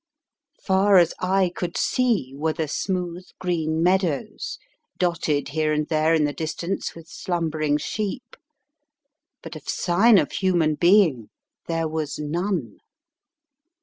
Far as eye could see were the smooth green meadows dotted here and there in the distance with slumbering sheep, but of sign of human being there was none.